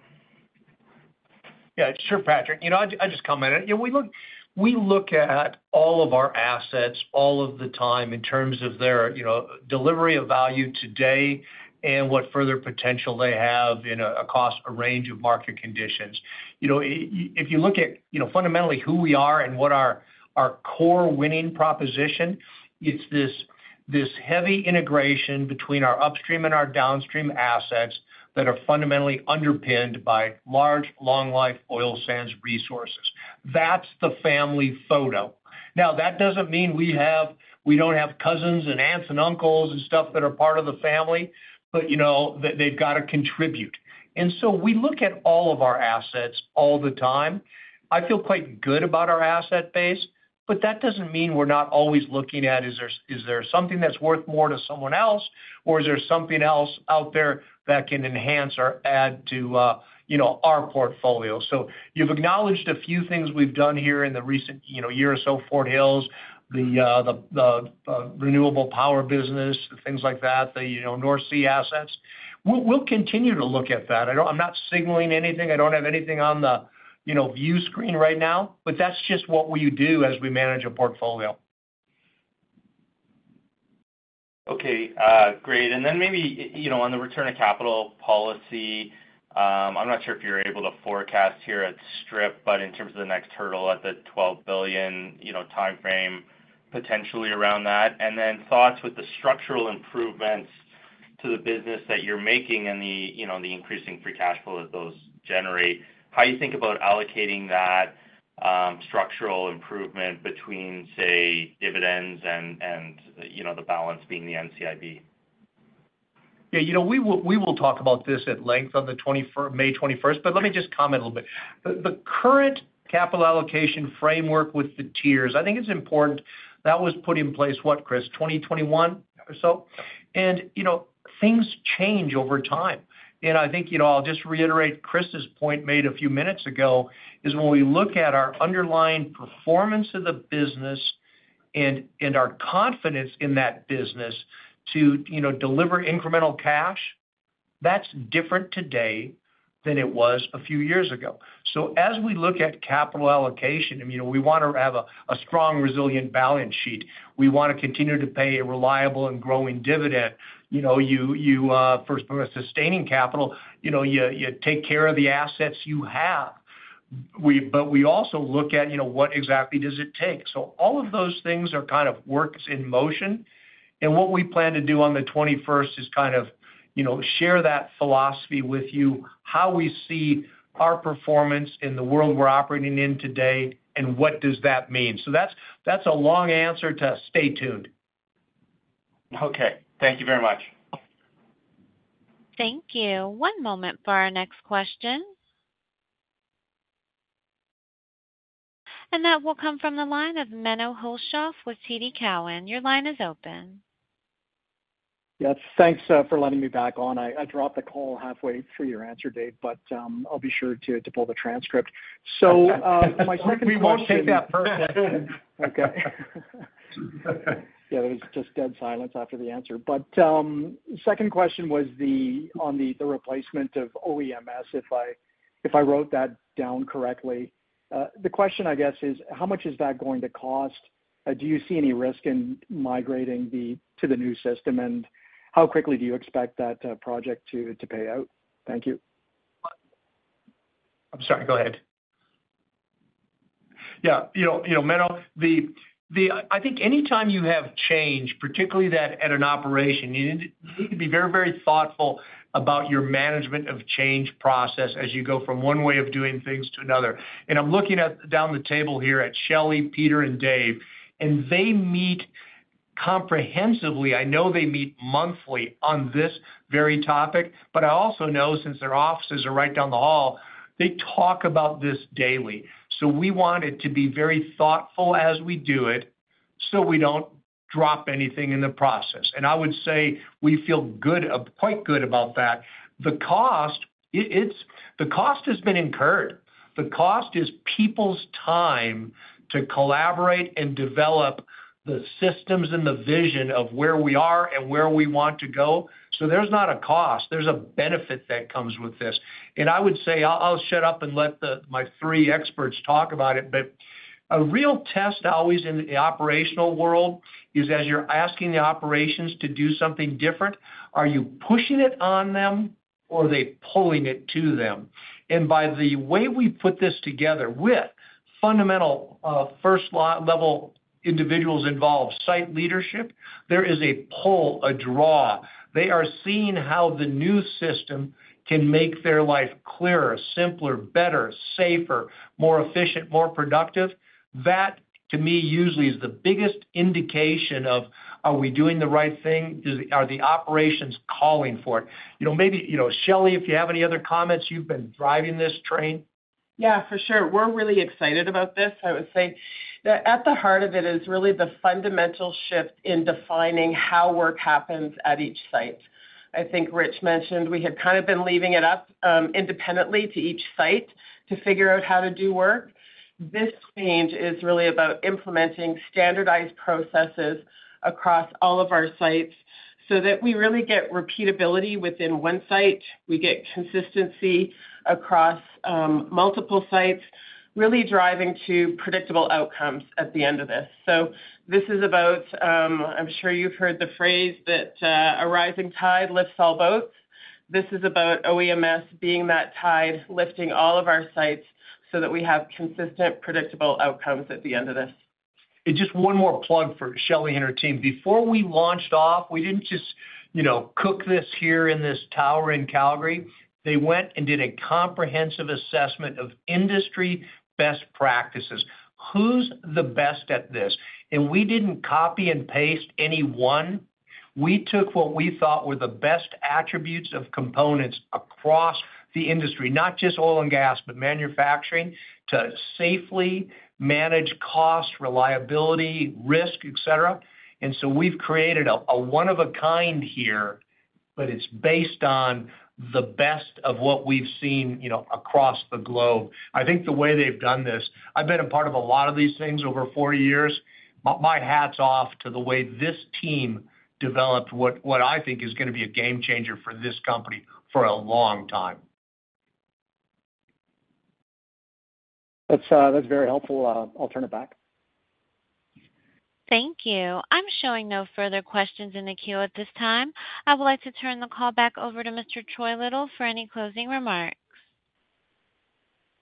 Yeah, sure, Patrick. You know, I'll just comment on it. You know, we look at all of our assets all of the time in terms of their, you know, delivery of value today and what further potential they have in a, across a range of market conditions. You know, if you look at, you know, fundamentally who we are and what our core winning proposition, it's this heavy integration between our upstream and our downstream assets that are fundamentally underpinned by large, long-life oil sands resources. That's the family photo. Now, that doesn't mean we don't have cousins and aunts and uncles and stuff that are part of the family, but, you know, they've got to contribute. And so we look at all of our assets all the time. I feel quite good about our asset base, but that doesn't mean we're not always looking at, is there, is there something that's worth more to someone else, or is there something else out there that can enhance or add to, you know, our portfolio? So you've acknowledged a few things we've done here in the recent, you know, year or so, Fort Hills, the renewable power business, things like that, the, you know, North Sea assets. We'll continue to look at that. I don't. I'm not signaling anything. I don't have anything on the, you know, view screen right now, but that's just what we do as we manage a portfolio. Okay, great. And then maybe, you know, on the return of capital policy, I'm not sure if you're able to forecast here at strip, but in terms of the next hurdle at the 12 billion, you know, timeframe, potentially around that, and then thoughts with the structural improvements to the business that you're making and the, you know, the increasing free cash flow that those generate, how you think about allocating that, structural improvement between, say, dividends and, you know, the balance being the NCIB? Yeah, you know, we will, we will talk about this at length on May twenty-first, but let me just comment a little bit. The, the current capital allocation framework with the tiers, I think it's important, that was put in place, what, Kris? 2021 or so? Yep. You know, things change over time. I think, you know, I'll just reiterate Kris's point made a few minutes ago, is when we look at our underlying performance of the business and, and our confidence in that business to, you know, deliver incremental cash, that's different today than it was a few years ago. So as we look at capital allocation, I mean, we wanna have a strong, resilient balance sheet. We wanna continue to pay a reliable and growing dividend. You know, you, you first from a sustaining capital, you know, you take care of the assets you have. But we also look at, you know, what exactly does it take? So all of those things are kind of works in motion, and what we plan to do on the twenty-first is kind of, you know, share that philosophy with you, how we see our performance in the world we're operating in today, and what does that mean. So that's, that's a long answer to stay tuned. Okay, thank you very much. Thank you. One moment for our next question. That will come from the line of Menno Hulshof with TD Cowen. Your line is open. Yes, thanks, for letting me back on. I dropped the call halfway through your answer, Dave, but, I'll be sure to pull the transcript. So, my second question- We won't take that personally. Okay. Yeah, there was just dead silence after the answer. But, second question was on the replacement of OEMs, if I, if I wrote that down correctly. The question, I guess, is: How much is that going to cost? Do you see any risk in migrating to the new system? And how quickly do you expect that project to pay out? Thank you. I'm sorry, go ahead. Yeah, you know, you know, Menno. I think anytime you have change, particularly that at an operation, you need, you need to be very, very thoughtful about your management of change process as you go from one way of doing things to another. And I'm looking at, down the table here at Shelley, Peter, and Dave, and they meet comprehensively. I know they meet monthly on this very topic, but I also know, since their offices are right down the hall, they talk about this daily. So we want it to be very thoughtful as we do it, so we don't drop anything in the process. And I would say we feel good, quite good about that. The cost has been incurred. The cost is people's time to collaborate and develop the systems and the vision of where we are and where we want to go. So there's not a cost, there's a benefit that comes with this. And I would say I'll shut up and let my three experts talk about it, but a real test always in the operational world is, as you're asking the operations to do something different, are you pushing it on them, or are they pulling it to them? And by the way we put this together with fundamental first level individuals involved, site leadership, there is a pull, a draw. They are seeing how the new system can make their life clearer, simpler, better, safer, more efficient, more productive. That, to me, usually is the biggest indication of, are we doing the right thing? Are the operations calling for it? You know, maybe, you know, Shelley, if you have any other comments, you've been driving this train. Yeah, for sure. We're really excited about this. I would say that at the heart of it is really the fundamental shift in defining how work happens at each site. I think Rich mentioned we had kind of been leaving it up independently to each site to figure out how to do work. This change is really about implementing standardized processes across all of our sites, so that we really get repeatability within one site, we get consistency across multiple sites, really driving to predictable outcomes at the end of this. So this is about, I'm sure you've heard the phrase that a rising tide lifts all boats. This is about OEMs being that tide, lifting all of our sites, so that we have consistent, predictable outcomes at the end of this. Just one more plug for Shelley and her team. Before we launched off, we didn't just, you know, cook this here in this tower in Calgary. They went and did a comprehensive assessment of industry best practices. Who's the best at this? We didn't copy and paste any one. We took what we thought were the best attributes of components across the industry, not just oil and gas, but manufacturing, to safely manage cost, reliability, risk, et cetera. So we've created a one-of-a-kind here, but it's based on the best of what we've seen, you know, across the globe. I think the way they've done this, I've been a part of a lot of these things over 40 years, my hat's off to the way this team developed what I think is gonna be a game changer for this company for a long time. That's very helpful. I'll turn it back. Thank you. I'm showing no further questions in the queue at this time. I would like to turn the call back over to Mr. Troy Little for any closing remarks.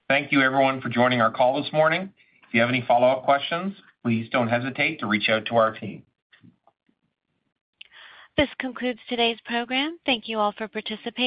Thank you, everyone, for joining our call this morning. If you have any follow-up questions, please don't hesitate to reach out to our team. This concludes today's program. Thank you all for participating.